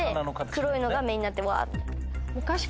黒いのが目になってわって。